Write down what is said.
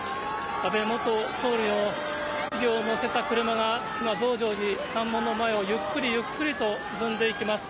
安倍元総理のひつぎを乗せた車が、今、増上寺山門の前を、ゆっくりゆっくりと進んでいきます。